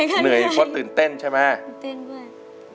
เหนื่อยเพราะตื่นเต้นใช่ไหม